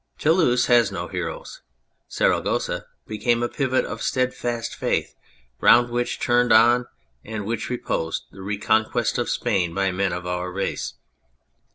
Toulouse has 110 heroes. Saragossa became a pivot of steadfast faith, round which turned and on which reposed the recon quest of Spain by men of our race.